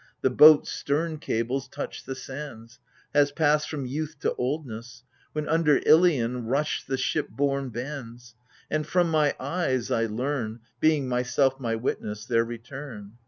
The boat's stem cables touched the sailds, Has past from youth to oldness, — When under IHon rushed the ship borne bands. And from my eyes I learn — Being myself my witness — their return.